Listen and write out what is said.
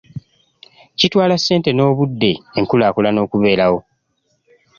Kitwala ssente n'obudde enkulaakulana okubeerawo .